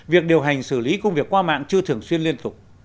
việc điều hành xử lý công việc qua mạng chưa thường xuyên liên tục